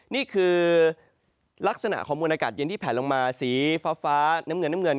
นี่คือลักษณะของมวลอากาศเย็นที่แผลลงมาสีฟ้าน้ำเงินน้ำเงิน